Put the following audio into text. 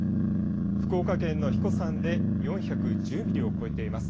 福岡県の英彦山で４１０ミリを超えています。